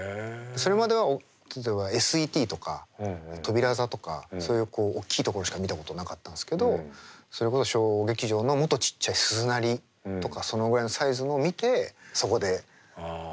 それまでは例えばＳＥＴとか扉座とかそういう大きい所しか見たことなかったんですけどそれこそ小劇場のもっとちっちゃいスズナリとかそのぐらいのサイズのを見てそこで訪れるんです。